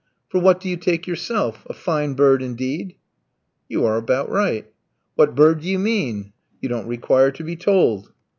"For what do you take yourself? A fine bird, indeed." "You are about right." "What bird do you mean?" "You don't require to be told."